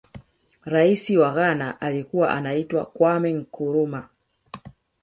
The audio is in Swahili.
raisi wa ghana alikuwa anaitwa kwame nkurumah